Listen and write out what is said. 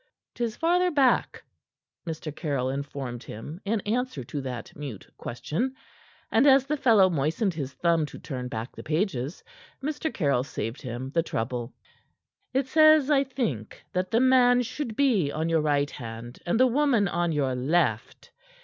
"'Tis farther back," Mr. Caryll informed him in answer to that mute question; and as the fellow moistened his thumb to turn back the pages, Mr. Caryll saved him the trouble. "It says, I think, that the man should be on your right hand and the woman on your left.